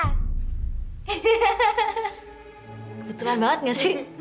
kebetulan banget gak sih